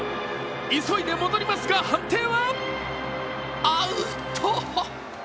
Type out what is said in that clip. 急いで戻りますが、判定はアウト。